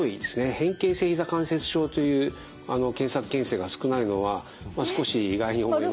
「変形性膝関節症」という検索件数が少ないのは少し意外に思いました。